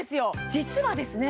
実はですね